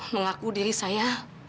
mengaku diri saya